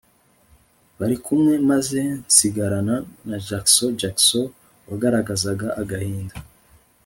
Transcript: bari kumwe maze nsigarana na Jackson Jackson wagaragazaga agahinda